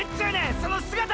その姿！！